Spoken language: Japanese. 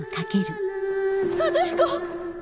和彦！